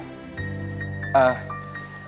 terima kasih om